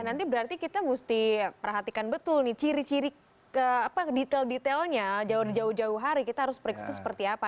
nanti berarti kita mesti perhatikan betul nih ciri ciri detail detailnya jauh jauh hari kita harus periksa itu seperti apa